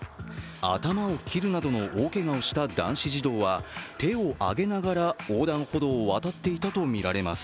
頭を切るなどの大けがをした男子児童は手を上げながら横断歩道を渡っていたとみられます。